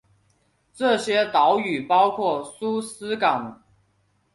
这些岛屿包括苏斯港。